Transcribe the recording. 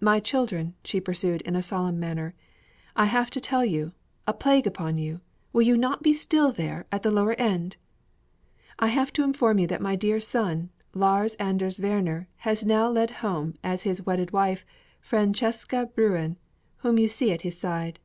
"My children," she pursued in a solemn manner, "I have to tell you a plague upon you! will you not be still there, at the lower end? I have to inform you that my dear son, Lars Anders Werner, has now led home, as his wedded wife, this Francisca Burén whom you see at his side.